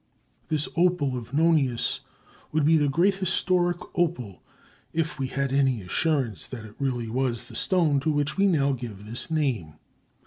This "opal of Nonius" would be the great historic opal if we had any assurance that it was really the stone to which we now give this name.